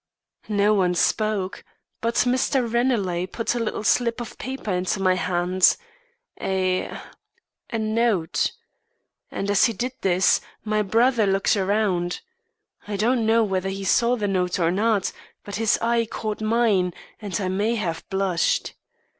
"No one spoke; but Mr. Ranelagh put a little slip of paper into my hand a a note. As he did this, my brother looked round. I don't know whether he saw the note or not; but his eye caught mine, and I may have blushed.